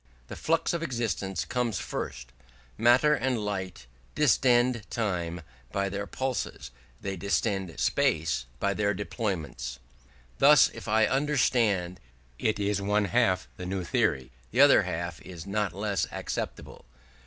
The flux of existence comes first: matter and light distend time by their pulses, they distend space by their deployments. This, if I understand it, is one half the new theory; the other half is not less acceptable.